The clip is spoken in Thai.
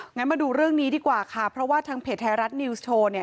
งั้นมาดูเรื่องนี้ดีกว่าค่ะเพราะว่าทางเพจไทยรัฐนิวส์โชว์เนี่ย